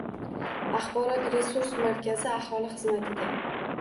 Axborot-resurs markazi aholi xizmatida